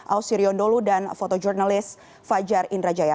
aus sirion dholu dan fotojournalist fajar indrajaya